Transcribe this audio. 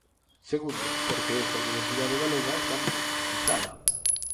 Segundo, porque esta universidade galega está mellor organizada.